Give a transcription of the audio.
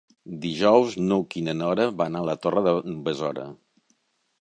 Dijous n'Hug i na Nora van a la Torre d'en Besora.